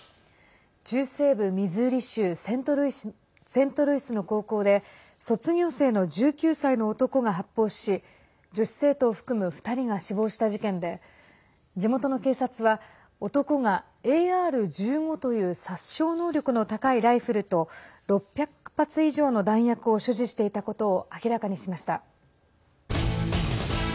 中西部ミズーリ州セントルイスの高校で卒業生の１９歳の男が発砲し女子生徒を含む２人が死亡した事件で地元の警察は男がＡＲ１５という殺傷力の高いライフルと６００発以上の弾薬を所持していたことを明らかにしました。